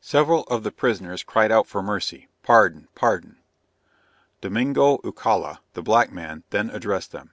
Several of the prisoners cried out for mercy, pardon, pardon. Domingo Eucalla, the black man, then addressed them.